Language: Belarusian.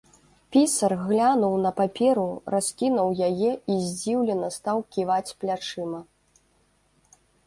Пісар глянуў на паперу, раскінуў яе і здзіўлена стаў ківаць плячыма.